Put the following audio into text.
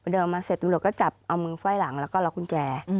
เดินมาเสร็จตำรวจก็จับเอามือไฟหลังและก็เลอะขุนแจ